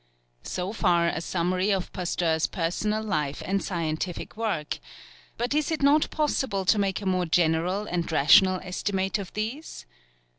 So far a summary of Pasteur's personal life and scientific work, but is it not possible to make a more general and rational estimate of these?